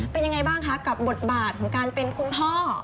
เป็นยังไงบ้างคะกับบทบาทของการเป็นคุณพ่อ